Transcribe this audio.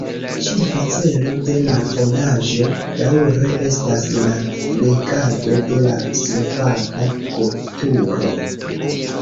Ĉefa celo de la fondaĵo daŭre estas la flegado de la slovaka kulturo.